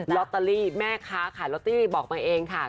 ลอตเตอรี่แม่ค้าขายลอตเตอรี่บอกมาเองค่ะ